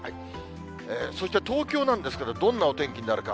そして東京なんですけれども、どんなお天気になるか。